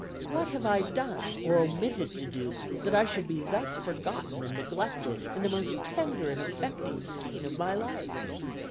What have I done, or omitted to do, that I should be thus forgotten and neglected in the most tender and affecting scene of my life?